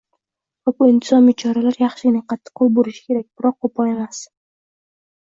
va bu intizomiy choralar yaxshigina qattiqqo‘l bo‘lishi kerak, biroq qo‘pol emas.